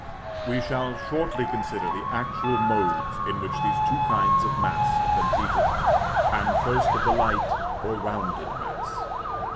We shall shortly consider the actual modes in which these two kinds of mass have been treated. And, first, of the light, or rounded, mass.